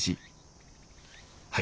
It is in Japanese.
はい。